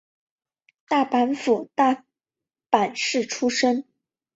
大阪府大阪市出身。